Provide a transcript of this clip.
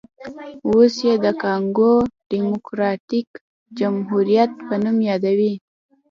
اوس یې د کانګو ډیموکراټیک جمهوریت په نوم یادوي.